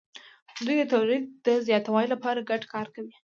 دوی د تولید د زیاتوالي لپاره ګډ کار کوي.